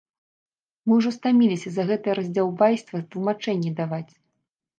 Мы ўжо стаміліся за гэтае раздзяўбайства тлумачэнні даваць.